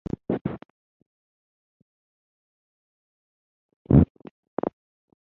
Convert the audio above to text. The first thing they found was Mittens, hiding in an empty jar.